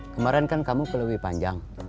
kemarin kan kamu pelui panjang